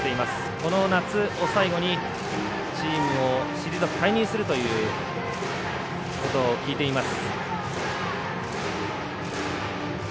この夏を最後にチームを退く退任するということを聞いています。